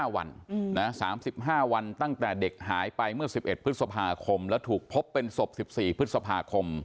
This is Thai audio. ๓๕วันตั้งแต่เด็กหายไปเมื่อ๑๑พศคและถูกพบเป็นศพ๑๔พศค